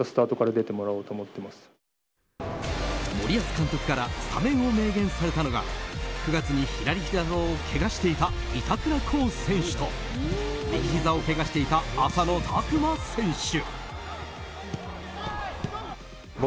森保監督からスタメンを明言されたのが９月に左ひざをけがしていた板倉滉選手と右ひざをけがしていた浅野拓磨選手。